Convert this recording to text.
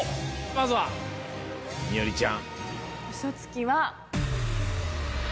まずは美織ちゃん。